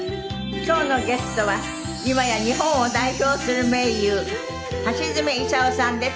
今日のゲストは今や日本を代表する名優橋爪功さんです。